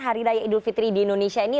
hari raya idul fitri di indonesia ini